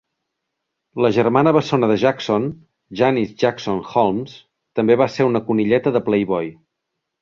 La germana bessona de Jackson, Janis Jackson Holmes, també va ser una conilleta de Playboy.